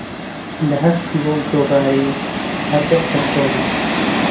لە هەر شیوە جۆبارێ هەر دەشتە چۆمێ